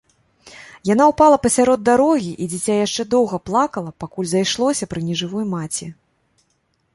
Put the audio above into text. Яна ўпала пасярод дарогі, і дзіця яшчэ доўга плакала, пакуль зайшлося пры нежывой маці.